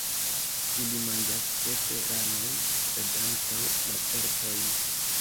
Ili manĝas ĉefe ranojn, sed ankaŭ lacertojn.